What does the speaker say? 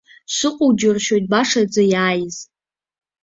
Сыҟоу џьыршьоит башаӡа иааиз.